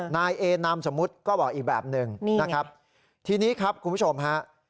นายเอนามสมมุติก็บอกอีกแบบหนึ่งนะครับทีนี้ครับคุณผู้ชมฮะ